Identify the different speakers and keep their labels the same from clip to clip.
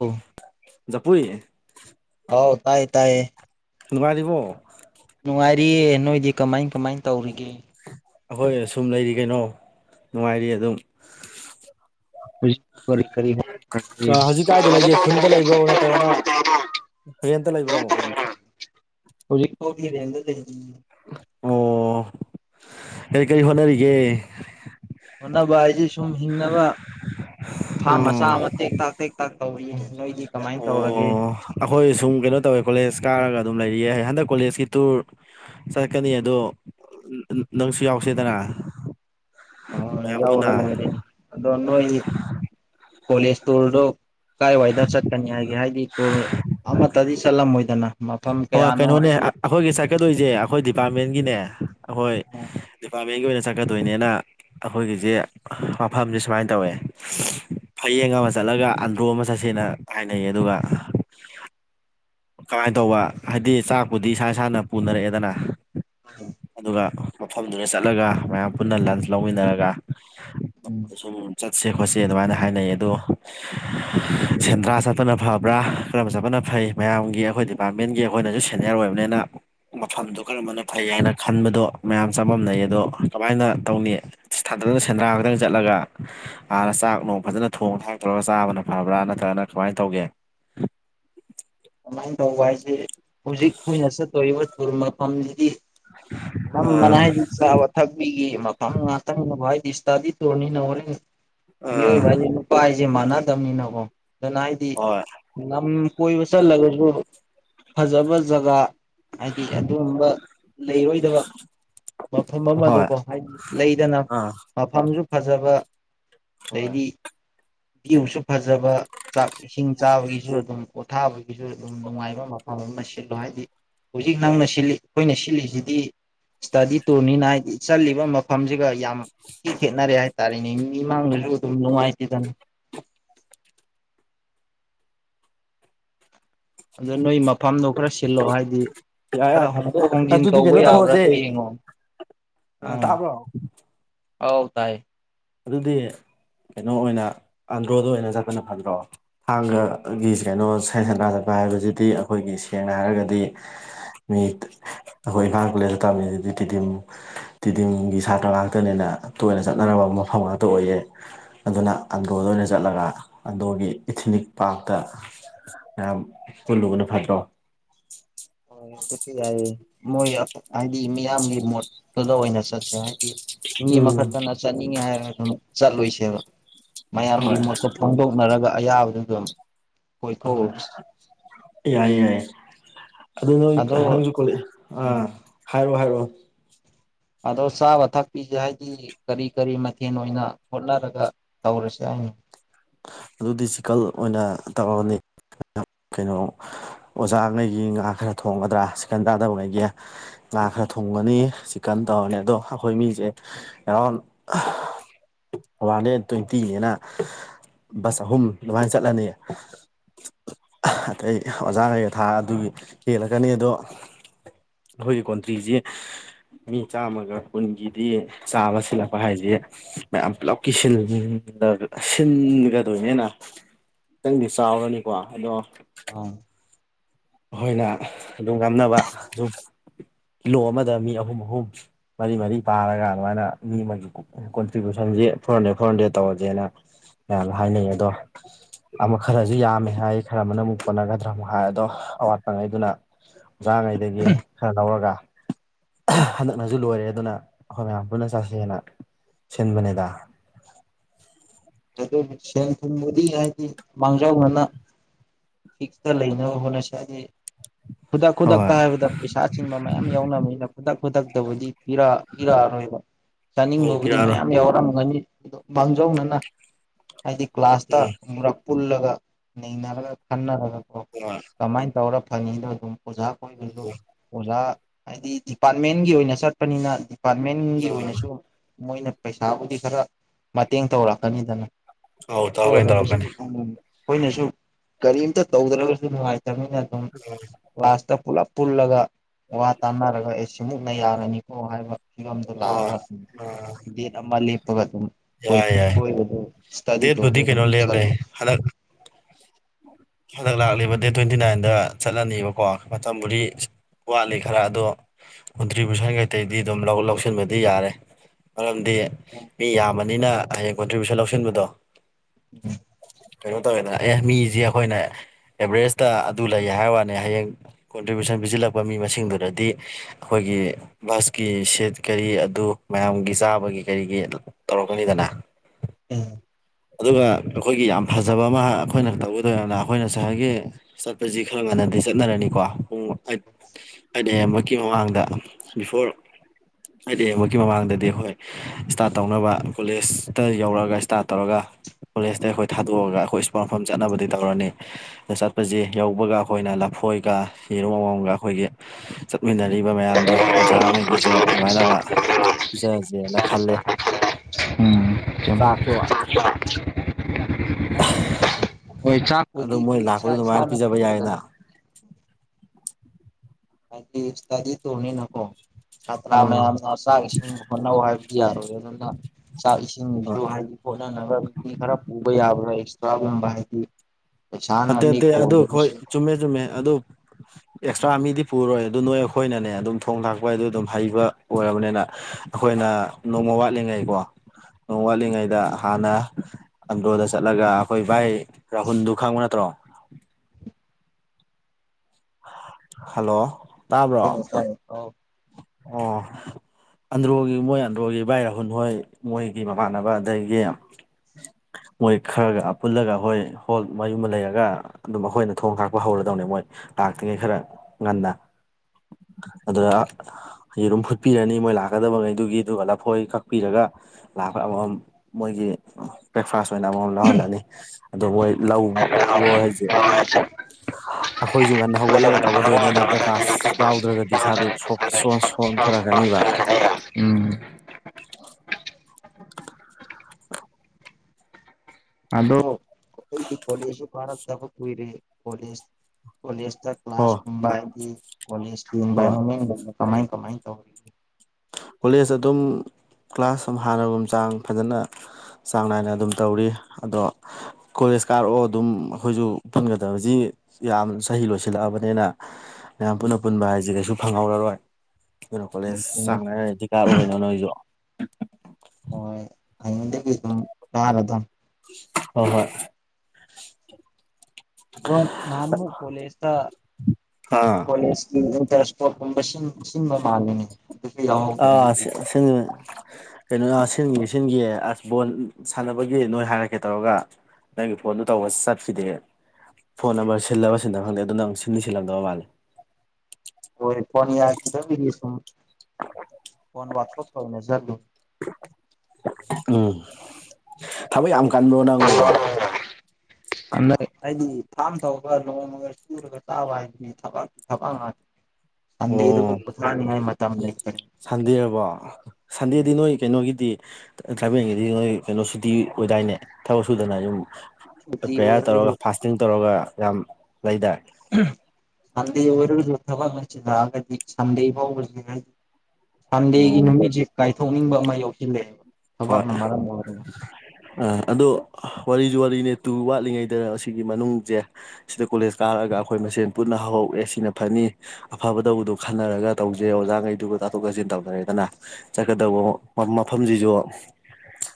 Speaker 1: ꯑꯣ
Speaker 2: ꯖꯄꯨꯏꯅꯦ
Speaker 1: ꯍꯥꯎ ꯇꯥꯏꯌꯦ ꯇꯥꯏꯌꯦ
Speaker 2: ꯅꯨꯡꯉꯥꯏꯔꯤꯕꫭ
Speaker 1: ꯅꯨꯡꯉꯥꯏꯔꯤ ꯅꯣꯏꯗꯤ ꯀꯃꯥꯏ ꯀꯃꯥꯏ ꯇꯧꯔꯤꯒꯦ
Speaker 2: ꯑꯩꯈꯣꯏ ꯑꯁꯨꯝ ꯂꯩꯔꯤ ꯀꯩꯅꯣ ꯅꯨꯡꯉꯥꯏꯔꯤ ꯑꯗꯨꯝ
Speaker 1: ꯍꯧꯖꯤꯛ ꯀꯔꯤ ꯀꯔꯤ ꯍꯣꯠꯅꯔꯤꯒꯦ
Speaker 2: ꯍꯧꯖꯤꯛ ꯀꯥꯏꯗ ꯂꯩꯒꯦ ꯈꯨꯟꯗ ꯂꯩꯕ꯭ꯔꯣ ꯅꯠꯇ꯭ꯔꯒꯅ ꯔꯦꯟꯇ ꯂꯩꯕ꯭ꯔꯣ
Speaker 1: ꯍꯧꯖꯤꯛꯐꯥꯎꯗꯤ ꯔꯦꯟꯗ ꯂꯩ
Speaker 2: ꯑꯣ ꯀꯔꯤ ꯀꯔꯤ ꯍꯣꯠꯅꯔꯤꯒꯦ
Speaker 1: ꯍꯣꯠꯅꯕ ꯑꯩꯖꯨ ꯁꯨꯝ ꯍꯤꯡꯅꯕ ꯊꯥ ꯃꯆꯥ
Speaker 2: ꯎꯝ
Speaker 1: ꯑꯃ ꯇꯦꯛ ꯇꯥꯛ ꯇꯦꯛ ꯇꯥꯛ ꯇꯧꯋꯤꯌꯦ ꯅꯣꯏꯗꯤ ꯀꯃꯥꯏꯅ ꯇꯧꯔꯒꯦ
Speaker 2: ꯑꯣ ꯑꯩꯈꯣꯏ ꯁꯨꯝ ꯀꯩꯅꯣ ꯇꯧꯋꯦ ꯀꯣꯂꯦꯁ ꯀꯥꯔꯒ ꯑꯗꯨꯝ ꯂꯩꯔꯤꯌꯦ ꯍꯟꯗꯛ ꯀꯣꯂꯦꯁꯀꯤ ꯇꯨꯔ ꯆꯠꯀꯅꯤ ꯑꯗꯣ ꯅꯪꯁꯨ ꯌꯥꯎꯁꯤꯗꯅ
Speaker 1: ꯑ ꯌꯥꯎꯔ ꯂꫭꯏꯔꯦ ꯑꯗꫭ ꯅꫭꯏ ꯀꯣꯂꯦꯁ ꯇꯨꯔꯗꫭ ꯀꯥꯏꯋꯥꯏꯗ ꯆꯠꯀꯅꯤ ꯍꯥꯏꯒꯦ ꯍꯥꯏꯗꯤ ꯇꯨꯔ ꯑꯃꯇꯗꯤ ꯆꯠꯂꯝꯃꯣꯏꯗꯅ ꯃꯐꯝ
Speaker 2: ꯑꯣ
Speaker 1: ꯀꯌꯥꯅꯣ
Speaker 2: ꯀꯩꯅꯣꯅꯦ
Speaker 1: ꯍꯥꯏꯗꯤ
Speaker 2: ꯑꯈꯣꯏꯒꯤ ꯆꯠꯀꯗꯣꯏꯖꯦ ꯑꯈꯣꯏ ꯗꯤꯄ꯭ꯥꯔꯠꯃꯦꯟꯒꯤꯅꯦ ꯑꯈꫭꯏ ꯗꯤꯄ꯭ꯥꯔꯃꯦꯟꯒꯤ ꯑꯣꯏꯅ ꯆꯠꯀꯗꯣꯏꯅꯤꯅ ꯑꯈꯣꯏꯒꯤꯖꯦ ꯃꯐꯝꯖꯦ ꯁꯨꯃꯥꯏ ꯇꯧꯋꯦ ꯐꯌꯦꯡ ꯑꯃ ꯆꯠꯂꯒ ꯑꯟꯗ꯭ꯔꯣ ꯑꯃ ꯆꯠꯁꯦꯅ ꯍꯥꯏꯅꯩꯌꯦ ꯑꯗꯨꯒ ꯀꯃꯥꯏ ꯇꯧꯕ ꯍꯥꯏꯗꯤ ꯆꯥꯛꯄꯨꯗꯤ ꯏꯁꯥ ꯏꯁꯥꯅ ꯄꯨꯅꯔꯛꯑꯦꯗꯅ ꯑꯗꯨꯒ ꯃꯐꯝꯗꯨꯗ ꯆꯠꯂꯒ ꯃꯌꯥꯝ ꯄꯨꯟꯅ ꯂꯟꯁ ꯂꯧꯃꯤꯟꯅꯔꯒ ꯃ
Speaker 1: ꯎꯝ
Speaker 2: ꯑꯁꯨꯝ ꯆꯠꯁꯦ ꯈꯣꯠꯁꯦ ꯑꯗꯨꯃꯥꯏꯅ ꯍꯥꯏꯅꯩ ꯑꯗꯨ ꯁꯦꯟꯗ꯭ꯔꯥ ꯆꯠꯄꯅ ꯐꯕ꯭ꯔꯥ ꯀꯔꯝꯕ ꯆꯠꯄꯅ ꯐꯩ ꯃꯌꯥꯝꯒꯤ ꯑꯩꯈꯣꯏ ꯗꯤꯄ꯭ꯥꯔꯠꯃꯦꯟꯒꯤ ꯑꯩꯈꯣꯏꯅꯁꯨ ꯁꯦꯅꯤꯌ꯭ꯔ ꯑꯣꯏꯕꯅꯤꯅ ꯃꯐꯝꯗꯨ ꯀꯔꯝꯕꯅ ꯐꯩ ꯍꯥꯏꯅ ꯈꯟꯕꯗꯨ ꯃꯌꯥꯝ ꯆꯝꯃꯝꯅꯩ ꯑꯗꯣ ꯀꯃꯥꯏꯅ ꯇꯧꯅꯤ ꯊꯟꯗꯜꯗ ꯁꯦꯟꯗ꯭ꯔꯥꯒꯗꯪ ꯆꯠꯂꯒ ꯍꯥꯟꯅ ꯆꯥꯛ ꯅꯣꯡ ꯐꯖꯅ ꯊꯣꯡ ꯊꯥꯛ ꯇꯧꯔꯒ ꯆꯥꯕꯅ ꯐꯕ꯭ꯔꯥ ꯅꯠꯇ꯭ꯔꯒꯅ ꯀꯃꯥꯏ ꯇꯧꯒꯦ
Speaker 1: ꯀꯃꯥꯏ ꯇꯧꯕ ꯍꯥꯏꯁꯦ ꯍꯧꯖꯤꯛ ꯑꯩꯈꯣꯏꯅ ꯆꯠꯇꯣꯔꯤꯕ ꯇꯨꯔ ꯃꯐꯝꯖꯤꯗꯤ
Speaker 2: ꯑꯥ
Speaker 1: ꯅꯝꯃꯅꯥꯏꯗꯤ ꯆꯥꯕ ꯊꯛꯄꯤꯒꯤ ꯃꯐꯝ ꯉꯥꯛꯇꯪꯅꯦꯕ ꯍꯥꯏꯗꯤ ꯏ꯭ꯁꯇꯥꯗꯤ ꯇꯨꯔꯅꯤꯅ ꯍꯣꯔꯦꯟ
Speaker 2: ꯑꯥ
Speaker 1: ꯃꯤꯑꯣꯏꯕ ꯍꯥꯏꯖꯤ ꯅꯨꯄꯥ ꯍꯥꯏꯖꯦ ꯃꯥꯟꯅꯗ꯭ꯕꯅꯤꯅꯀꯣ ꯗꯨꯅ ꯍꯥꯏꯗꯤ
Speaker 2: ꯍꯣꯏ
Speaker 1: ꯂꯝ ꯀꯣꯏꯕꯁ ꯆꯠꯂꯒꯖꯨ ꯐꯖꯕ ꯖꯒꯥ ꯍꯥꯏꯗꯤ ꯑꯗꯨꯝꯕ ꯂꯩꯔꯣꯏꯗꯕ ꯃꯐꯝ
Speaker 2: ꯍꯣꯏ
Speaker 1: ꯑꯃꯗꯀꯣ ꯍꯥꯏꯗꯤ ꯂꯩꯗꯅ
Speaker 2: ꯑꯥ
Speaker 1: ꯃꯐꯝꯁꯨ ꯐꯖꯕ
Speaker 2: ꯍꯣꯏ
Speaker 1: ꯑꯗꯩꯗꯤ ꯕꯨꯏꯁꯨ ꯐꯖꯕ ꯆꯥꯛ ꯏꯁꯤꯡ ꯆꯥꯕꯒꯤꯁꯨ ꯑꯗꯨꯝ ꯄꯣꯊꯥꯕꯒꯤꯁꯨ ꯑꯗꯨꯝ ꯅꯨꯡꯉꯥꯏꯕ ꯃ ꯐꯝ ꯑꯃ ꯁꯤꯜꯂꯣ ꯍꯥꯏꯗꯤ ꯍꯧꯖꯤꯛ ꯅꯪꯅ ꯁꯤꯜꯂꯤ ꯑꯩꯈꯣꯏꯅ ꯁꯤꯜꯂꯤꯖꯤꯗꯤ ꯏ꯭ꯁꯇꯥꯗꯤ ꯇꯨꯔꯅꯤꯅ ꯍꯥꯏꯗꯤ ꯆꯠꯂꯤꯕ ꯃꯐꯝꯖꯤꯒ ꯌꯥꯝ ꯊꯤ ꯈꯦꯠꯅꯔꯦ ꯍꯥꯏꯇꯥꯔꯦꯅꯦ ꯃꯤꯃꯥꯡꯅꯁꯨ ꯑꯗꯨꯝ ꯅꯨꯡꯉꯥꯏꯇꯦꯗꯅ ꯑꯗꯨ ꯅꯣꯏ ꯃꯐꯝꯗꯣ ꯈꯔ ꯁꯤꯜꯂꯣ ꯍꯥꯏꯗꯤ
Speaker 2: ꯌꯥꯏ
Speaker 1: ꯈꯔ
Speaker 2: ꯌꯥꯏ
Speaker 1: ꯍꯣꯡꯗꯣꯛ ꯍꯣꯡꯖꯤꯟ
Speaker 2: ꯑꯗꯨꯗꯤ
Speaker 1: ꯇꯧꯕ
Speaker 2: ꯀꯩꯅꯣ ꯇꯧꯔꯁꯦ
Speaker 1: ꯌꯥꯕ꯭ꯔꯥꯗꯣ ꯌꯦꯡꯉꯣ
Speaker 2: ꯑ
Speaker 1: ꯑꯥ
Speaker 2: ꯇꯥꯕ꯭ꯔꯣ
Speaker 1: ꯑꯧ ꯇꯥꯏ
Speaker 2: ꯑꯗꯨꯗꯤ ꯀꯩꯅꯣ ꯑꯣꯏꯅ ꯑꯟꯗ꯭ꯔꯣꯗ ꯑꯣꯏꯅ ꯆꯠꯄꯅ ꯐꯥꯗ꯭ꯔꯣ ꯊꯥꯡꯒ ꯒꯤ ꯀꯩꯅꯣ ꯁꯦꯍꯦꯟꯗ꯭ꯔꯥ ꯆꯠꯄ ꯍꯥꯏꯕꯖꯤꯗꯤ ꯑꯩꯈꯣꯏꯒꯤ ꯁꯦꯡꯅ ꯍꯥꯏꯔꯒꯗꯤ ꯃꯤ ꯑꯈꯣꯏ ꯏꯝꯐꯥꯜ ꯀꯣꯂꯦꯖꯇ ꯇꯝꯃꯤꯖꯤꯗꯤ ꯇꯤꯗꯤꯝ ꯇꯤꯗꯤꯡꯒꯤ ꯁꯥꯇ꯭ꯔ ꯉꯥꯛꯇꯅꯦꯅ ꯇꯣꯏꯅ ꯆꯠꯅꯔꯕ ꯃꯐꯝ ꯉꯥꯛꯇ ꯑꯣꯏꯌꯦ ꯑꯗꯨꯅ ꯑꯟꯗ꯭ꯔꯣꯗ ꯑꯣꯏꯅ ꯆꯠꯂꯒ ꯑꯟꯗ꯭ꯔꯣꯒꯤ ꯏꯊꯤꯅꯤꯛ ꯄꯥꯛꯇ ꯃꯌꯥꯝ ꯄꯨꯜꯂꯨꯕꯅ ꯐꯠꯗ꯭ꯔꯣ
Speaker 1: ꯍꯣꯏ ꯑꯗꯨꯁꯨ ꯌꯥꯏꯌꯦ ꯃꯣꯏ ꯍꯥꯏꯗꯤ ꯃꯤꯌꯥꯝꯒꯤ ꯃꯣꯠꯇꯨꯗ ꯑꯣꯏꯅ ꯆꯠꯁꯦ ꯍꯥꯏꯗꯤ ꯃꯤ
Speaker 2: ꯎꯝ
Speaker 1: ꯑꯃꯈꯛꯇꯅ ꯆꯠꯅꯤꯡꯉꯦ ꯍꯥꯏꯔꯖꯨ ꯆꯠꯂꯣꯏꯁꯦꯕ ꯃꯌꯥꯝꯒꯤ
Speaker 2: ꯍꯣꯏ
Speaker 1: ꯃꯣꯠꯇ ꯐꯣꯡꯗꯣꯛꯅꯔꯒ ꯑꯌꯥꯕꯗꯨ ꯑꯗꯨꯝ
Speaker 2: ꯑꯥ
Speaker 1: ꯀꯣꯏꯊꯣꯛꯎꯁꯤ
Speaker 2: ꯌꯥꯏꯌꯦ ꯌꯥꯏꯌꯦ ꯑꯗꯨ ꯅꯣꯏ
Speaker 1: ꯑꯗꯣ
Speaker 2: ꯅꯪꯁꯨ ꯀꯣ ꯑꯥ
Speaker 1: ꯎꯝ
Speaker 2: ꯍꯥꯏꯔꯛꯑꯣ ꯍꯥꯏꯔꯛꯑꯣ
Speaker 1: ꯑꯗꯣ ꯆꯥꯕ ꯊꯛꯄꯤꯁꯦ ꯍꯥꯏꯗꯤ ꯀꯔꯤ ꯀꯔꯤ ꯃꯊꯦꯜ ꯑꯣꯏꯅ ꯍꯣꯠꯅꯔꯒ ꯇꯧꯔꯁꯦ ꯍꯥꯏꯅꯣ
Speaker 2: ꯑꯗꯨꯗꯤ ꯆꯤꯀꯜ ꯑꯣꯏꯅ ꯇꯧꯔꯕꯅꯤ ꯀꯩꯅꯣ ꯑꯣꯖꯥꯉꯩꯒꯤ ꯉꯥ ꯈꯔ ꯊꯣꯡꯒꯗ꯭ꯔꯥ ꯁꯤꯀꯟ ꯇꯥꯗꯕꯉꯩꯒꯤ ꯉꯥ ꯈꯔ ꯊꯣꯡꯒꯅꯤ ꯆꯤꯛꯀꯟ ꯇꯧꯔꯅꯤ ꯑꯗꯣ ꯑꯩꯈꯣꯏ ꯃꯤꯖꯦ ꯑꯦꯔ꯭ꯥꯎ꯭ꯟ ꯑꯥꯍ ꯋꯥꯟꯗ꯭ꯔꯦꯟ ꯇ꯭ꯋꯦꯟꯇꯤꯅꯦꯅ ꯕꯁ ꯑꯍꯨꯝ ꯑꯗꯨꯃꯥꯏꯟ ꯆꯠꯂꯅꯤ ꯑꯍ ꯑꯇꯩ ꯑꯣꯖꯥꯉꯩꯒ ꯊꯥ ꯑꯗꯨꯒꯤ ꯍꯦꯜꯂꯛꯀꯅꯤ ꯑꯗꯣ ꯑꯩꯈꯣꯏꯒꯤ ꯀꯣꯟꯇ꯭ꯔꯤꯖꯤ ꯃꯤ ꯆꯥꯝꯃꯒ ꯀꯨꯟꯒꯤꯗꯤ ꯆꯥꯕ ꯁꯤꯜꯂꯛꯄ ꯍꯥꯏꯖꯦ ꯃꯌꯥꯝ ꯄꯨꯂꯞꯀꯤ ꯁꯤꯜꯂꯤꯃꯤꯝ ꯂꯒ ꯁꯤꯟ ꯄꯤꯌꯗꯣꯏꯅꯦꯅ ꯈꯤꯇꯪꯗꯤ ꯆꯥꯎꯔꯅꯤꯀꯣ ꯑꯗꯣ
Speaker 1: ꯑꯥ
Speaker 2: ꯍꯣꯏꯗ ꯑꯗꯨꯝ ꯉꯝꯅꯕ ꯗꯨꯝ ꯀꯤꯂꯣ ꯑꯃꯗ ꯃꯤ ꯑꯍꯨꯝ ꯑꯍꯨꯝ ꯃꯔꯤ ꯃꯔꯤ ꯄꯥꯔꯒ ꯑꯗꯨꯃꯥꯏꯅ ꯃꯤ ꯑꯃꯒꯤ ꯀꯨꯛ ꯀꯣꯟꯇ꯭ꯔꯤꯕ꯭ꯌꯨꯁꯟꯖꯤ ꯐꯣꯔ ꯍꯟꯗ꯭ꯔꯦꯠ ꯐꯣꯔ ꯍꯟꯗ꯭ꯔꯦꯗ ꯇꯧꯔꯖꯦꯅ ꯃꯌꯥꯝꯅ ꯍꯥꯏꯅꯩꯌꯦ ꯑꯗꯣ ꯑꯃ ꯈꯔꯖꯨ ꯌꯥꯝꯃꯦ ꯍꯥꯏ ꯈꯔ ꯑꯃꯅ ꯑꯃꯨꯛ ꯀꯣꯟꯅꯒꯗ꯭ꯔꯥ ꯑꯃꯨꯛ ꯍꯥꯏ ꯑꯗꯣ ꯑꯋꯥꯠꯄꯉꯩꯗꯨꯅ ꯑꯣꯖꯥꯉꯩꯗꯒꯤ ꯈꯔ ꯂꯧꯔꯒ ꯍꯟꯗꯛꯅꯖꯨ ꯂꯣꯏꯔꯦ ꯑꯗꯨꯅ ꯑꯩꯈꯣꯏ ꯃꯌꯥꯝ ꯄꯨꯟꯅ ꯆꯥꯁꯦꯅ ꯁꯤꯟꯕꯅꯦꯗ
Speaker 1: ꯑꯗꯨ ꯁꯦꯟ ꯊꯨꯝꯕꯨꯗꯤ ꯍꯥꯏꯗꯤ ꯃꯥꯡꯖꯧꯅꯅ ꯐꯤꯛꯁꯇꯥ ꯂꯩꯅꯕ ꯍꯣꯅꯥꯁꯦ ꯍꯥꯏꯗꯤ ꯈꯨꯗꯛ
Speaker 2: ꯍꯣꯏ
Speaker 1: ꯈꯨꯗꯛꯇ ꯍꯥꯏꯕꯗ ꯄꯩꯁꯥ ꯑꯆꯤꯟꯕ ꯃꯌꯥꯝ ꯌꯥꯎꯅꯕꯅꯤꯅ ꯈꯨꯗꯛ ꯈꯨꯗꯛꯇꯕꯨꯗꯤ ꯄꯤꯔꯛ ꯄꯤꯔꯛꯑꯔꯣꯏꯕ
Speaker 2: ꯑꯧ
Speaker 1: ꯇꯥꯅꯤꯡꯕꯕꯨꯗꯤ
Speaker 2: ꯄꯤꯔꯛꯑꯔꯣꯏ
Speaker 1: ꯃꯌꯥꯝ ꯌꯥꯎꯔꯝꯒꯅꯤ ꯑꯗꯨ ꯃꯥꯡꯖꯧꯅꯅ ꯍꯥꯏꯗꯤ ꯀ꯭ꯂꯥꯁꯇ
Speaker 2: ꯎꯝ
Speaker 1: ꯑꯃꯨꯔꯛ ꯄꯨꯜꯂꯒ ꯅꯩꯅꯔꯒ ꯈꯟꯅꯔꯒꯀꯣ
Speaker 2: [unintelligible]
Speaker 1: ꯀꯃꯥꯏꯅ ꯇꯧꯔ ꯐꯅꯤꯗꯣ ꯑꯗꯨꯝ ꯑꯣꯖꯥ ꯈꯣꯏꯗꯁꯨ ꯑꯣꯖꯥ ꯍꯥꯏꯗꯤ ꯗꯤꯄꯥꯔꯠꯃꯦꯟꯒꯤ ꯑꯣꯏꯅ ꯆꯠꯄꯅꯤꯅ ꯗꯤꯄꯥꯔꯠꯃꯦꯟꯒꯤ
Speaker 2: ꯎꯝ
Speaker 1: ꯑꯣꯏꯅꯁꯨ ꯃꯣꯏꯅ ꯄꯩꯁꯥꯕꯨꯗꯤ ꯈꯔ ꯃꯇꯦꯡ ꯇꯧꯔꯛꯀꯅꯤꯗꯅ
Speaker 2: ꯑꯧ
Speaker 1: ꯑꯗꯨ
Speaker 2: ꯇꯧꯔꯛꯀꯅꯤ
Speaker 1: ꯑꯣꯏꯔꯒꯁꯨ
Speaker 2: ꯇꯧꯔꯛꯀꯅꯤ
Speaker 1: ꯑꯗꯨꯝ ꯑꯩꯈꯣꯏꯅꯁꯨ ꯀꯔꯤꯝꯇ ꯇꯧꯗ꯭ꯔꯒꯁꯨ ꯅꯨꯡꯉꯥꯏꯇꯕꯅꯤꯅ ꯑꯗꯨꯝ ꯀ꯭ꯂꯥꯁꯇ ꯄꯨꯜꯂꯞ ꯄꯨꯜꯂꯒ ꯋꯥ ꯇꯥꯅꯔꯒ ꯑꯩꯁꯤ ꯃꯨꯛꯅ ꯌꯥꯔꯅꯤꯀꯣ ꯍꯥꯏꯕ ꯐꯤꯕꯝꯗ
Speaker 2: ꯍꯣꯏ
Speaker 1: ꯂꯥꯛꯑꯒ
Speaker 2: ꯎꯝ
Speaker 1: ꯗꯦꯠ ꯑꯃ ꯂꯦꯞꯄꯒ ꯑꯗꯨꯝ ꯑꯣꯏ
Speaker 2: ꯌꯥꯏ ꯌꯥꯏ
Speaker 1: ꯍꯣꯏꯅꯦ ꯑꯗꯣ ꯁꯇꯥꯗꯤ ꯇꯧꯔꯗꯣ
Speaker 2: ꯗꯦꯠꯄꯨꯗꯤ
Speaker 1: ꯑꯗꯨꯝ
Speaker 2: ꯀꯩꯅꯣ ꯂꯦꯞꯂꯦ
Speaker 1: ꯆꯂꯣ
Speaker 2: ꯍꯟꯗꯛ ꯍꯟꯗꯛ ꯂꯥꯛꯂꯤꯕ ꯗꯦꯠ ꯇ꯭ꯋꯦꯟꯇꯤ ꯅꯥꯏꯟꯗ ꯆꯠꯂꯅꯤꯕꯀꯣ ꯃꯇꯝꯕꯨꯗꯤ ꯋꯥꯠꯂꯤ ꯈꯔ ꯑꯗꯣ ꯀꯣꯟꯇ꯭ꯔꯤꯕꯌꯨꯁꯟ ꯀꯩꯇꯩꯗꯤ ꯑꯗꯨꯝ ꯂꯧꯁꯤꯟꯕꯗꯤ ꯌꯥꯔꯦ ꯃꯔꯝꯗꯤ ꯗꯤ ꯃꯤ ꯌꯥꯝꯕꯅꯤꯅ ꯍꯌꯦꯡ ꯀꯣꯟꯇ꯭ꯔꯤꯕꯌꯨꯁꯟ ꯂꯧꯁꯤꯟꯕꯗꯣ
Speaker 1: ꯎꯝ [inaudible]
Speaker 2: ꯀꯩꯅꯣ ꯇꯧꯋꯦꯗꯅ ꯑꯦ ꯃꯤꯁꯦ ꯑꯩꯈꯣꯏꯅ ꯑꯦꯚꯔꯦꯁꯇ ꯑꯗꯨ ꯂꯩ ꯍꯥꯏ ꯋꯥꯅꯦ ꯍꯌꯦꯡ ꯀꯣꯟꯇ꯭ꯔꯤꯕ꯭ꯌꯨꯁꯟ ꯄꯤꯁꯤꯜꯂꯛꯄ ꯃꯤ ꯃꯁꯤꯡꯗꯨꯗꯗꯤ ꯑꯩꯈꯣꯏꯒꯤ ꯕꯁꯀꯤ ꯁꯤꯠ ꯀꯔꯤ ꯑꯗꯨ ꯃꯌꯥꯝꯒꯤ ꯆꯥꯕꯒꯤ ꯀꯔꯤꯒꯤ ꯇꯧꯔꯛꯀꯅꯤꯗꯅ
Speaker 1: ꯎꯝ
Speaker 2: ꯑꯗꯨꯒ ꯑꯩꯈꯣꯏꯒꯤ ꯌꯥꯝ ꯐꯖꯕ ꯑꯃ ꯑꯩꯈꯣꯏꯅ ꯇꯧꯒ ꯑꯗꯨꯅ ꯑꯩꯈꯣꯏꯅ ꯉꯁꯥꯏꯒꯤ ꯆꯠꯄꯁꯤ ꯈꯔ ꯉꯥꯟꯟꯅꯗꯤ ꯆꯠꯅꯔꯅꯤꯀꯣ ꯄꯨꯡ ꯑꯩꯠ ꯑꯠ ꯑꯍꯦꯝꯃꯛꯀꯤ ꯃꯃꯥꯡꯗ ꯕꯤꯐꯣꯔ ꯍꯥꯏꯗꯤ ꯃꯨꯛꯀꯤ ꯃꯃꯥꯡꯗꯗꯤ ꯑꯩꯈꯣꯢ ꯏꯁꯇꯥꯔꯠ ꯇꯧꯅꯕ ꯀꯣꯂꯦꯖꯇ ꯌꯧꯔꯛꯑꯒ ꯏꯁꯇꯥꯔꯠ ꯇꯧꯔꯒ ꯀꯣꯂꯦꯖꯇ ꯑꯩꯈꯣꯏ ꯊꯗꯣꯛꯑꯒ ꯑꯈꯣꯏ ꯏꯁꯄꯣꯔꯠ ꯃꯐꯝ ꯆꯠꯅꯕꯗꯤ꯫ ꯇꯧꯔꯅꯤ ꯑꯗ ꯆꯠꯄꯁꯤ ꯌꯧꯕꯒ ꯑꯩꯈꯣꯏꯅ ꯂꯐꯣꯏꯒ ꯌꯦꯔꯨꯝ ꯑꯃꯃꯝꯒ ꯑꯩꯈꯣꯏꯒꯤ꯫ ꯆꯠꯃꯤꯟꯅꯔꯤꯕ ꯃꯌꯥꯝꯗꯣ ꯑꯣꯖꯥꯈꯩꯒꯤꯁꯨ ꯑꯗꯨꯃꯥꯏꯅ ꯄꯤꯖꯁꯦꯅ ꯈꯜꯂꯦ꯫
Speaker 1: ꯎꯝ ꯆꯨꯝꯃꯤ
Speaker 2: ꯆꯥꯛꯁꯨ
Speaker 1: [inaudible] ꯍꯣꯏ ꯆꯥꯛꯄꯨꯗꯤ
Speaker 2: ꯑꯗꯨ ꯃꯣꯏ
Speaker 1: ꯑꯩꯈꯣꯏ ꯏꯁꯥ
Speaker 2: ꯂꯥꯛꯄꯗ ꯑꯗꯨꯃꯥꯏꯅ
Speaker 1: ꯏꯁꯥꯅ
Speaker 2: ꯄꯤꯖꯕ ꯌꯥꯏꯌꯦꯅ
Speaker 1: ꯄꯨꯔꯦꯗꯅ꯫ ꯍꯥꯏꯗꯤ ꯑꯁꯇꯥꯗꯤ ꯇꯨꯔꯅꯤꯅꯀꯣ ꯁꯥꯇ꯭ꯔꯥ
Speaker 2: ꯎꯝ
Speaker 1: ꯃꯌꯥꯝꯁꯁꯤꯡ꯫ [inaudible] ꯍꯣꯠꯅꯧ ꯍꯥꯏꯕꯗꯤ ꯌꯥꯔꯣꯏ ꯑꯗꯨꯅ ꯆꯥꯛ
Speaker 2: ꯑ
Speaker 1: ꯏꯁꯤꯡꯁꯨ ꯍꯥꯏꯗꯤ꯫ ꯍꯣꯠꯅꯅꯕ ꯃꯤ ꯈꯔ ꯄꯨꯕ ꯌꯥꯕ꯭ꯔꯥ ꯑꯦꯛꯁꯇ꯭ꯔꯥꯒꯨꯝꯕ ꯍꯥꯏꯗꯤ ꯄꯩꯁꯥꯅ
Speaker 2: ꯅꯠꯇꯦ ꯅꯠꯇꯦ
Speaker 1: ꯅꯦꯛꯄ
Speaker 2: ꯑꯗꯨ ꯑꯩꯈꯣꯏ
Speaker 1: ꯑꯣꯢꯔꯁꯨ
Speaker 2: ꯆꯨꯝꯃꯦ ꯆꯨꯝꯃꯦ ꯑꯗꯨ ꯑꯦꯛꯁꯇ꯭ꯔꯥ ꯃꯤꯗꯤ ꯄꯨꯔꯣꯏ ꯑꯗꯨ ꯅꯣꯏ ꯑꯩꯈꯣꯏꯅꯅꯦ ꯑꯗꯨꯝ ꯊꯣꯡ ꯊꯥꯛꯄ ꯍꯥꯏꯗꯣ ꯑꯗꯨꯝ ꯍꯩꯕ ꯑꯣꯏꯔꯕꯅꯤꯅ ꯑꯩꯈꯣꯏꯅ ꯅꯣꯡꯃ ꯋꯥꯠꯂꯤꯉꯩꯀꯣ ꯅꯣꯡ ꯋꯥꯠꯂꯤꯉꯩꯗ ꯍꯥꯟꯅ ꯑꯟꯗ꯭ꯔꯣꯗ ꯆꯠꯂꯒ ꯑꯩꯈꯣꯏ ꯚꯥꯏ ꯔꯥꯍꯨꯜꯗꯨ ꯈꯪꯕ ꯅ ꯅꯠꯇ꯭ꯔꯣ ꯍꯜꯂꯣ ꯇꯥꯕ꯭ꯔꯣ
Speaker 1: ꯎ ꯐꯔ [inaudible]
Speaker 2: ꯑꯣ ꯑꯟꯗ꯭ꯔꯣꯒꯤ ꯃꯣꯏ ꯑꯟꯗ꯭ꯔꯣꯒꯤ ꯕꯥꯏ ꯂꯍꯨꯟ ꯍꯣꯏ ꯃꯣꯏꯒꯤ ꯃꯃꯥꯟꯅꯕ ꯑꯗꯒꯤ ꯃꯣꯏ ꯈꯔꯒ ꯄꯨꯜꯂꯒ ꯍꯣꯏ ꯍꯣꯜ ꯌꯥꯢꯅꯤꯡꯕ ꯂꯩꯔꯒ꯫ ꯑꯗꯨꯝ ꯑꯩꯈꯣꯏꯅ ꯊꯣꯡ ꯀꯥꯛꯄ ꯍꯧꯔꯗꯧꯅꯦ ꯃꯣꯏ ꯂꯥꯛꯇ꯭ꯔꯤꯉꯩ ꯈꯔ ꯉꯟꯅ꯫ ꯑꯗꯨꯗ꯫ ꯑꯦꯔꯨꯝ ꯐꯨꯠꯄꯤꯔꯅꯤ ꯃꯣꯏ ꯂꯥꯛꯀꯗꯕꯉꯩꯗꯨꯒꯤ ꯑꯗꯨꯒ ꯂꯐꯣꯏ ꯀꯛꯄꯤꯔꯒ꯫ ꯂꯥꯛꯄ ꯑꯃꯃꯝ ꯃꯣꯏꯒꯤ꯫ ꯕ꯭ꯔꯦꯛꯐꯥꯁ ꯑꯣꯏꯅ ꯑꯃꯃꯝ ꯂꯧꯍꯜꯂꯅꯤ ꯑꯗꯨ ꯃꯣꯏ ꯂꯧ ꯃꯣꯏ ꯍꯥꯢꯁꯤ ꯑꯩꯈꯣꯏꯁꯨ ꯉꯟꯅ ꯍꯧꯒꯠꯂꯒ ꯇꯧꯒꯗꯣꯏꯅꯦꯅ ꯕ꯭ꯔꯦꯛꯐꯥꯁ ꯌꯥꯎꯗ꯭ꯔꯒꯗꯤ ꯏꯁꯥꯗ ꯁꯣꯛ꯫
Speaker 1: [inaudible] ꯑꯗꯣ ꯑꯩꯗꯤ ꯀꯣꯂꯦꯖꯁꯨ ꯀꯔꯛꯇꯕ ꯀꯨꯏꯔꯦ ꯀꯣꯂꯦꯖ ꯀꯣꯂꯦꯖꯇ꯫ ꯀ꯭ꯂꯥꯁ
Speaker 2: ꯍꯣꯏ
Speaker 1: ꯀꯨꯝꯕ ꯍꯥꯏꯖꯤ ꯀꯣꯂꯦꯖꯀꯤ
Speaker 2: ꯍꯣꯏ
Speaker 1: ꯏꯟꯚꯥꯏꯔꯣꯟꯃꯦꯟꯒꯨꯝꯕ ꯀꯃꯥꯏ ꯀꯃꯥꯏ ꯇꯧꯔꯤ꯫
Speaker 2: ꯀꯣꯂꯦꯖ ꯑꯗꯨꯝ ꯀ꯭ꯂꯥꯁ ꯑꯗꯨꯝ ꯍꯥꯟꯅꯒꯨꯝ ꯆꯥꯡ ꯐꯖꯅ꯫ ꯆꯥꯡ ꯅꯥꯏꯅ ꯑꯗꯨꯝ ꯇꯧꯔꯤ ꯑꯗꯣ꯫ ꯀꯣꯂꯦꯖ ꯀꯥꯔꯛꯑꯣ ꯑꯗꯨꯝ ꯑꯩꯈꯣꯏꯁꯨ ꯄꯨꯟꯒꯗꯕꯁꯤ꯫ ꯌꯥꯝ ꯆꯍꯤ ꯂꯣꯏꯁꯤꯜꯂꯛꯑꯕꯅꯤꯅ꯫ ꯃꯌꯥꯝ ꯄꯨꯟꯅ ꯄꯨꯟꯕ ꯍꯥꯏꯁꯦ ꯀꯩꯁꯨ ꯐꯪꯍꯧꯔꯔꯣꯏ ꯑꯗꯨꯅ ꯀꯣꯂꯦꯖ ꯆꯥꯡꯅꯥꯢꯗꯤ ꯀꯥꯔꯛꯑꯣ ꯀꯩꯅꯣ ꯅꯣꯏꯁꯨ꯫
Speaker 1: ꯍꯣꯏ ꯍꯌꯦꯡꯗꯒꯤ ꯗꯨꯝ ꯀꯥꯔꯗꯝ꯫
Speaker 2: ꯍꯣꯢ ꯍꯣꯏ꯫
Speaker 1: ꯅꯥꯍꯟꯃꯨꯛ ꯀꯣꯂꯦꯖ ꯇ ꯀꯂꯦꯖ꯫ ꯏꯟꯇꯔ ꯏꯁꯄꯣꯔꯠꯀꯨꯝꯕ ꯁꯤꯟꯕ ꯃꯥꯜꯂꯤꯅꯦ꯫ ꯑꯗꯨꯁꯨ
Speaker 2: [unintelligible]
Speaker 1: ꯌꯥꯎꯍꯧꯗ꯭ꯔꯦ ꯑꯩꯗꯤ
Speaker 2: ꯀꯩꯅꯣ ꯁꯤꯟꯒꯤ ꯁꯤꯟꯒꯤ ꯑꯁ ꯕꯣꯜ ꯁꯥꯟꯅꯕꯒꯤ ꯅꯣꯏ ꯍꯥꯏꯔꯛꯀꯦ ꯇꯧꯔꯒ꯫ ꯅꯪꯒꯤ ꯐꯣꯟꯗꯣ ꯇꯧꯕ ꯆꯠꯁꯤꯗꯔ꯭ꯦ꯫ ꯐꯣꯟ ꯅꯝꯕꯔ ꯁꯤꯜꯂꯕ ꯁꯤꯟꯗꯕꯔ꯭ ꯈꯪꯗꯦ ꯑꯗꯨ ꯅꯪ ꯁꯤꯟꯗꯤ ꯁꯤꯟꯗꯕ ꯃꯥꯂꯦ꯫
Speaker 1: ꯍꯣꯏ ꯐꯣꯟ ꯌꯥꯈꯤꯗꯕꯒꯤ ꯁꯨꯝ ꯐꯣꯟ ꯋꯔꯛꯁꯣꯞꯇ ꯑꯣꯏꯅ ꯆꯠꯂꯨ꯫
Speaker 2: ꯎꯝ ꯊꯕꯛ ꯌꯥꯝ ꯀꯟꯕ꯭ꯔꯣ ꯅꯪꯕꯣ꯫ [inaudible]
Speaker 1: ꯁꯝꯅ ꯑꯩꯗꯤ ꯐꯥꯔꯝ ꯇꯧꯔꯒ ꯅꯣꯡꯃꯒ ꯁꯨꯔꯒ ꯆꯥꯕ ꯍꯥꯏꯗꯨꯅꯤ ꯊꯕꯛꯀꯤ ꯊꯕꯛ ꯉꯥꯛꯇ꯫ ꯁꯟꯗꯦꯗꯕꯨ
Speaker 2: ꯑꯣ
Speaker 1: ꯄꯣꯊꯥꯅꯤꯡꯉꯥꯏ ꯃꯇꯝ ꯂꯩꯇꯔꯦ
Speaker 2: ꯁꯟꯗꯦꯔꯕꯣ ꯁꯟꯗꯦꯗꯤ
Speaker 1: ꯎꯝ
Speaker 2: ꯅꯣꯏ꯫ ꯀꯩꯅꯣꯒꯤꯗꯤ ꯇ꯭ꯔꯥꯏꯕꯦꯜꯒꯤꯗꯤ ꯅꯣꯏ ꯀꯩꯅꯣ ꯁꯤꯇꯤ ꯑꯣꯏꯗꯥꯏꯅꯦ ꯊꯕꯛ ꯁꯨꯗꯅ ꯌꯨꯝ
Speaker 1: ꯁꯨꯇꯤ
Speaker 2: ꯄ꯭ꯔꯦꯌꯥꯔ
Speaker 1: ꯑꯣꯏꯔꯒꯁꯨ
Speaker 2: ꯇꯧꯔꯒ ꯐꯥꯁꯇꯤꯡ ꯇꯧꯔꯒ ꯌꯥꯝ ꯂꯩꯇꯥꯔꯦ
Speaker 1: ꯁꯟꯗꯦ ꯑꯣꯏꯖꯣꯛꯊꯕ ꯃꯁꯤꯖꯑꯒ ꯁꯟꯗꯦ ꯐꯥꯎꯒꯒ ꯁꯟꯗꯦꯒꯤ
Speaker 2: ꯑꯣ
Speaker 1: ꯅꯨꯃꯤꯠꯁꯦ ꯀꯥꯏꯊꯣꯛꯅꯤꯡꯕ ꯑꯃ ꯌꯧꯁꯤꯜꯂꯛꯑꯦꯕ
Speaker 2: ꯍꯣꯏ ꯑꯥ ꯑꯗꯣ ꯋꯥꯔꯤꯁꯨ ꯋꯥꯔꯤꯅꯦ ꯇꯨ ꯋꯥꯠꯂꯤꯉꯩꯗ ꯑꯁꯤꯒꯤ ꯃꯅꯨꯡꯁꯦ ꯁꯤꯗ ꯀꯣꯂꯦꯖ ꯀꯥꯔꯛꯑꯒ ꯑꯩꯈꯣꯏ ꯃꯁꯦꯟ ꯄꯨꯟꯅ ꯍꯧꯔꯛꯑꯦ ꯁꯤꯅ ꯐꯅꯤ ꯑꯐꯕꯗꯕꯨꯗꯣ ꯈꯟꯅꯔꯒ ꯇꯧꯖꯩ ꯑꯣꯖꯥꯈꯩꯗꯨꯒ ꯇꯥꯊꯣꯛ ꯇꯥꯁꯤꯟ ꯇꯧꯅꯔꯦꯗꯅ ꯆꯠꯀꯗꯧꯕ ꯃꯐꯝꯁꯤꯁꯨ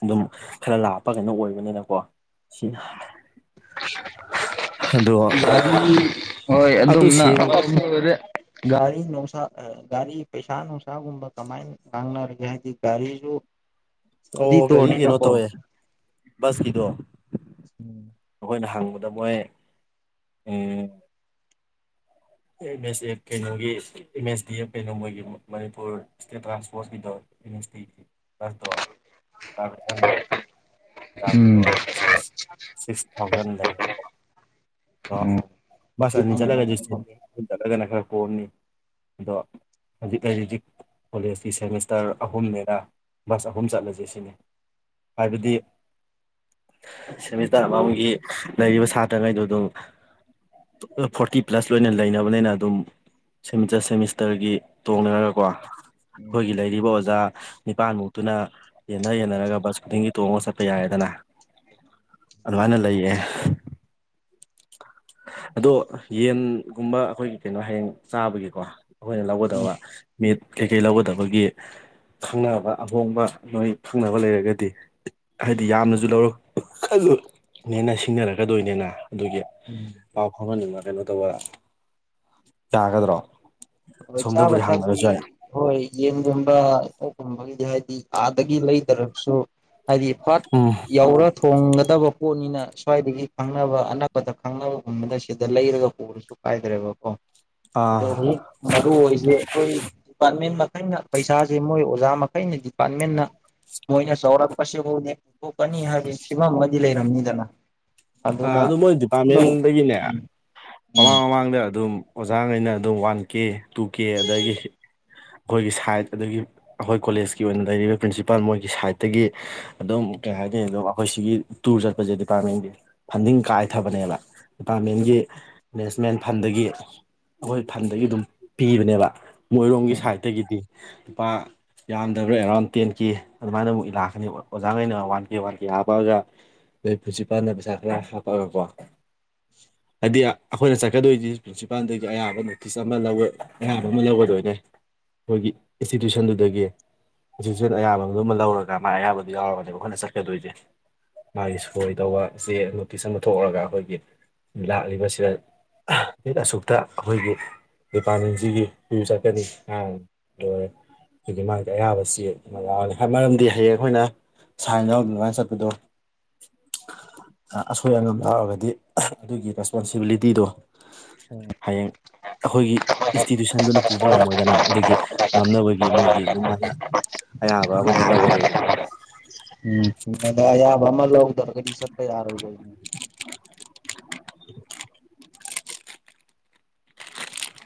Speaker 2: ꯑꯗꯨꯝ ꯈꯔ ꯂꯥꯞꯄ ꯀꯩꯅꯣ ꯑꯣꯏꯕꯅꯤꯅꯀꯣ ꯁꯤꯅ
Speaker 1: ꯍꯣꯏ
Speaker 2: ꯑꯗꯨ
Speaker 1: ꯑꯗꯨꯝꯅ
Speaker 2: ꯁꯦꯡꯅ
Speaker 1: ꯒꯥꯔꯤ ꯅꯨꯡꯁꯥ ꯒꯥꯔꯤ ꯄꯩꯁꯥ ꯅꯨꯡꯁꯥꯒꯨꯝꯕ ꯀꯃꯥꯏꯅ꯫ ꯆꯥꯡꯅꯔꯦ ꯀ ꯍꯥꯏꯗꯤ ꯒꯥꯔꯤꯁꯨ ꯁꯇ꯭ꯗꯤ
Speaker 2: ꯑꯣ ꯒꯥꯔꯤ ꯀꯩꯅꯣ
Speaker 1: ꯇꯨꯔꯅꯀꯣ꯫
Speaker 2: ꯇꯧꯋꯦ ꯕꯁꯀꯤꯗꯣ꯫ ꯑꯩꯈꯣꯏꯅ ꯍꯪꯕꯗ ꯃꯣꯏ꯫ ꯑꯦꯝ ꯑꯦꯁ ꯑꯦꯐ ꯀꯩꯅꯣꯒꯤ ꯑꯦꯝ ꯑꯦꯁ ꯗꯤ ꯑꯦꯐ ꯀꯩꯅꯣ ꯃꯣꯏꯒꯤ ꯃꯅꯤꯄꯨꯔ ꯏꯁꯇꯦꯠ ꯇ꯭ꯔꯥꯟꯁꯄꯣꯔꯠꯁꯀꯤꯗꯣ꯫ [unintelligible] ꯆꯕꯤꯗꯣ
Speaker 1: ꯎꯝ
Speaker 2: ꯁꯤ ꯁꯤꯛꯁ ꯊꯥꯎꯖꯟ ꯂꯩ꯫ ꯑꯣ
Speaker 1: ꯎꯝ
Speaker 2: ꯕꯁ
Speaker 1: ꯖꯤꯞ
Speaker 2: ꯑꯅꯤ ꯆꯂꯒꯗꯤ
Speaker 1: ꯑꯃꯃꯝꯗꯀꯣ
Speaker 2: ꯆꯤꯟꯅꯤ ꯑꯍꯨꯝ ꯆꯠꯂꯒꯗꯤ ꯈꯔ ꯀꯣꯝꯅꯤ꯫ ꯑꯗꯣ꯫ ꯍꯧꯖꯤꯛ ꯂꯩꯔꯤꯖꯤ ꯀꯣꯂꯦꯖꯀꯤ ꯁꯦꯃꯤꯁꯇꯔ ꯑꯍꯨꯝꯅꯦꯅ ꯕꯁ ꯑꯍꯨꯝ ꯆꯠꯂꯁꯦ ꯁꯤꯅꯤ꯫ ꯍꯥꯏꯕꯗꯤ ꯁꯦꯃꯤꯁꯇꯔ ꯑꯃꯃꯝꯒꯤ꯫ ꯂꯩꯔꯤꯕ ꯁꯥꯇ꯭ꯔꯉꯩꯗ ꯑꯗꯨꯝ ꯐꯣꯔꯇꯤ ꯄ꯭ꯂꯁ ꯂꯣꯏꯅ꯫ ꯂꯩꯅꯕꯅꯦꯅ ꯑꯗꯨꯝ ꯁꯦꯃꯤꯁꯇꯔ ꯁꯦꯃꯤꯁꯇꯔꯒꯤ ꯇꯣꯡꯅꯔꯒꯀꯣ꯫ ꯑꯩꯈꯣꯏꯒꯤ ꯂꯩꯔꯤꯕ ꯑꯣꯖꯥ ꯅꯤꯄꯥꯥꯟꯃꯨꯛ ꯑꯗꯨꯨꯅ ꯌꯦꯟꯅ ꯌꯦꯟꯅꯔꯒ ꯕꯁ ꯈꯨꯗꯤꯡꯒꯤ ꯇꯣꯡꯉꯒ ꯆꯠꯄ ꯌꯥꯔꯦꯗꯅ ꯑꯗꯨꯃꯥꯏꯅ ꯂꯩꯌꯦ ꯑꯗꯣ ꯌꯦꯟꯒꯨꯝꯕ ꯑꯩꯈꯣꯏꯒꯤ ꯀꯩꯅꯣ ꯍꯌꯦꯡ ꯆꯥꯕꯒꯤꯀꯣ ꯑꯩꯈꯣꯏꯅ ꯂꯧꯒꯗꯕ ꯃꯤꯠ ꯀꯩꯀꯩ ꯂꯧꯒꯗꯕꯒꯤ ꯈꯪꯅꯕ ꯑꯍꯣꯡꯕ ꯃꯣꯏ ꯈꯪꯅꯕ ꯂꯩꯔꯒꯗꯤ ꯍꯥꯏꯗꯤ ꯌꯥꯝꯅꯁꯨ ꯂꯧꯔꯛꯂꯅꯦꯅ ꯁꯤꯡꯅꯔꯛꯀꯗꯣꯏꯅꯦꯅ ꯑꯗꯨꯒꯤ
Speaker 1: ꯎꯝ
Speaker 2: ꯄꯥꯎ ꯐꯥꯎꯍꯟꯅꯤꯡꯕ ꯀꯩꯅꯣ ꯇꯧꯕ ꯌꯥꯒꯗ꯭ꯔꯣ
Speaker 1: ꯍꯣꯏ ꯆꯥꯕ
Speaker 2: ꯑꯁꯣꯝꯗꯕꯨꯗꯤ ꯍꯪꯅꯔꯁꯨ
Speaker 1: ꯊꯛꯄꯒꯤ
Speaker 2: ꯌꯥꯏ
Speaker 1: ꯍꯣꯏ ꯌꯦꯟꯒꯨꯝꯕ ꯀꯣꯛꯀꯨꯝꯕꯒꯤꯗꯤ ꯍꯥꯏꯗꯤ ꯑꯥꯗꯒꯤ ꯂꯩꯗ꯭ꯔꯁꯨ ꯍꯥꯏꯗꯤ ꯄꯥꯠ
Speaker 2: ꯎꯝ
Speaker 1: ꯌꯧꯔ ꯊꯣꯡꯒꯗꯕ ꯄꯣꯠꯅꯤꯅ ꯁ꯭ꯋꯥꯏꯗꯒꯤ ꯈꯪꯅꯕ ꯑꯅꯛꯄꯗ ꯈꯪꯅꯕꯒꯨꯝꯕꯗ ꯁꯤꯗ ꯂꯩꯔꯒ ꯎꯔꯁꯤ ꯁ ꯀꯥꯏꯗ꯭ꯔꯦꯕꯣ ꯀꯣ ꯑꯗꯣ
Speaker 2: ꯑꯥ
Speaker 1: ꯃꯔꯨ ꯑꯣꯏꯁꯦ ꯑꯩꯈꯣꯏ ꯗꯤꯄꯥꯔꯠꯃꯦꯟ ꯃꯈꯩꯅ ꯄꯩꯁꯥꯁꯦ ꯃꯣꯏ ꯑꯣꯖꯥ ꯃꯈꯩꯅ ꯗꯤꯄꯥꯔꯠꯃꯦꯟꯅ ꯃꯣꯏꯅ ꯆꯥꯎꯔꯛꯄꯁꯤꯕꯨꯅꯦꯊꯣꯛꯀꯅꯤ ꯍꯥꯏꯕ ꯁꯤꯐꯝꯃꯗꯤ ꯂꯩꯔꯝꯅꯤꯗꯅ ꯑꯗꯨꯅ
Speaker 2: ꯑꯗꯨ ꯃꯣꯏ ꯗꯤꯄꯥꯔꯠꯃꯦꯟꯗꯒꯤꯅꯦ
Speaker 1: ꯎꯝ
Speaker 2: ꯃꯃꯥꯡ ꯃꯃꯥꯡꯗ ꯑꯗꯨꯝ ꯑꯣꯖꯥꯈꯩꯅ ꯑꯗꯨꯝ ꯋꯥꯟ ꯀꯦ ꯇꯨ ꯀꯦ ꯑꯗꯒꯤ ꯑꯩꯈꯣꯏꯒꯤ ꯁꯥꯏꯠ ꯑꯗꯒꯤ ꯑꯩꯈꯣꯏ ꯀꯣꯂꯦꯖꯀꯤ ꯑꯣꯏꯅ ꯂꯩꯔꯤꯕ ꯄ꯭ꯔꯤꯟꯁꯤꯄꯥꯜ ꯃꯣꯏꯒꯤ ꯁꯥꯏꯠꯇꯒꯤ ꯑꯗꯨꯝ ꯀꯩ ꯍꯥꯏꯅꯤ ꯑꯗꯨꯝ ꯑꯩꯈꯣꯏ ꯁꯤꯒꯤ ꯇꯨꯔ ꯆꯠꯄꯁꯦ ꯗꯤꯄꯥꯔꯠꯃꯦꯟꯒꯤ ꯐꯟꯗꯤꯡ ꯀꯥꯏꯊꯕꯅꯦꯕ ꯗꯤꯄꯥꯔꯠꯃꯦꯟꯒꯤ ꯃꯦꯅꯦꯖꯃꯦꯟ ꯐꯟꯗꯒꯤ ꯑꯩꯈꯣꯏ ꯐꯟꯗꯒꯤ ꯑꯗꯨꯝ ꯄꯤꯕꯅꯦꯕ ꯃꯣꯏꯔꯣꯝꯒꯤ
Speaker 1: ꯎꯝ
Speaker 2: ꯁꯥꯏꯠꯇꯒꯤꯗꯤ ꯂꯨꯄꯥ ꯌꯥꯝꯗꯕ꯭ꯔꯥ ꯑꯦꯔꯥꯎꯟ ꯇꯦꯟ ꯀꯦ ꯑꯗꯨꯃꯥꯏꯅ ꯑꯃꯨꯛ ꯂꯥꯛꯀꯅꯤ ꯑꯣꯖꯥꯈꯩꯅ ꯋꯥꯟ ꯀꯦ ꯋꯥꯟ ꯀꯦ ꯍꯥꯞꯄꯛꯑꯒ ꯑꯣꯏ ꯄꯨꯟꯁꯤꯄꯥꯟꯗ ꯄꯩꯁꯥ ꯈꯔ ꯍꯥꯞꯄꯛꯑꯒꯀꯣ ꯍꯥꯏꯗꯤ ꯑꯩꯈꯣꯏꯅ ꯆꯠꯀꯗꯣꯏꯁꯤ ꯄ꯭ꯨꯟꯁꯤꯄꯥꯜꯗꯒꯤ ꯑꯌꯥꯝꯕ ꯅꯣꯇꯤꯁ ꯑꯃ ꯂꯧ ꯑꯌꯥꯝꯕ ꯑꯃ ꯂꯧꯒꯗꯣꯏꯅꯦ ꯑꯩꯈꯣꯏꯒꯤ ꯏꯟꯁꯇꯤꯇ꯭ꯌꯨꯁꯟꯗꯨꯗꯒꯤ ꯍꯧꯖꯤꯛꯁꯤꯦꯠ ꯑꯌꯥꯝꯕꯗꯨꯃ ꯂꯧꯔꯒ ꯃꯥ ꯑꯌꯥꯝꯕꯗꯨ ꯌꯥꯎꯔꯒꯅꯦꯕ ꯑꯩꯈꯣꯏꯅ ꯆꯠꯀꯗꯣꯏꯁꯦ ꯃꯥꯒꯤ ꯁꯣꯏꯗꯧꯕ ꯆꯦ ꯅꯣꯇꯤꯁ ꯑꯃ ꯊꯣꯛꯔꯒ ꯑꯩꯈꯣꯏꯒꯤ ꯂꯥꯛꯂꯤꯕꯁꯤꯗ ꯑꯠ ꯑꯁꯨꯛꯇ ꯑꯩꯈꯣꯏꯒꯤ ꯗꯤꯄꯥꯔꯠꯃꯦꯟꯁꯤꯒꯤ ꯆꯠꯀꯅꯤ ꯑ ꯂꯣꯏꯔꯦ ꯍꯧꯒꯤ ꯃꯥꯒꯤ ꯑꯌꯥꯕꯁꯤ ꯑꯗꯨꯃ ꯌꯥꯎꯔꯅꯤ ꯃꯔꯝꯗꯤ ꯍꯌꯦꯡ ꯑꯩꯈꯣꯏꯅ ꯁꯥꯏꯟ ꯌꯥꯎꯗꯃꯥꯏꯅ ꯆꯠꯄꯗꯣ ꯑꯁꯣꯏ ꯑꯉꯥꯝ ꯌꯥꯎꯔꯒꯗꯤ ꯑꯗꯨꯒꯤ ꯔꯦꯁꯄꯣꯟꯁꯤꯕꯤꯂꯤꯇꯤꯗꯣ
Speaker 1: ꯎꯝ
Speaker 2: ꯍꯌꯦꯡ ꯑꯩꯈꯣꯏꯒꯤ ꯏꯟꯁꯇꯤꯇ꯭ꯌꯨꯁꯟꯗꯨꯅ ꯄꯨꯕ ꯉꯝꯃꯣꯏꯗꯅ ꯑꯗꯨꯒꯤ ꯉꯝꯅꯕꯒꯤ ꯃꯣꯏꯒꯤ ꯑꯗꯨꯝ ꯍꯥꯏꯥꯏꯅ ꯑꯌꯥꯕ ꯑꯃꯗꯤ ꯂꯧꯒꯗꯣꯏꯗ
Speaker 1: ꯃꯗ ꯑ ꯐ ꯑꯃ ꯂꯗꯔ ꯀꯗꯤꯁꯄ ꯌꯥꯔꯣꯏ